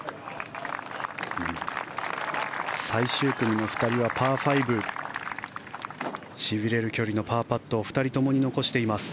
最終組の２人はパー５。しびれる距離のパーパットを２人ともに残しています。